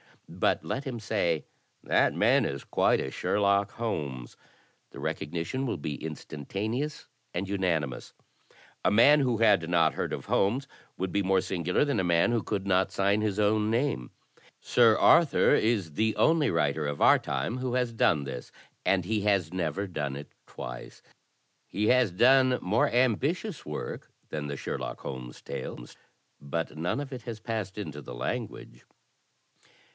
But let him say *That man is quite a Sherlock Holmes.' The recognition will be instantaneous and unanimous. A man who had not heard of Holmes would be more singular than a man who could not sign his own name. Sir Arthur is the only writer of our time who has done this, and he has never done it twice. He has done more ambitious work than the Sherlock Holmes tales, but none of it has passed into the language."